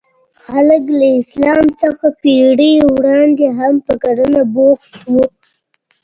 خلک له اسلام څخه پېړۍ وړاندې هم په کرنه بوخت وو.